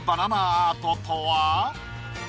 アートとは？